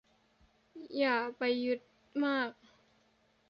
อย่าไปยึดมาก